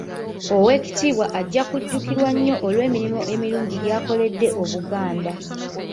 Owekittibwa ajja kujjukirwa nnyo olw'emirimu emirungi gy'akoledde Obuganda.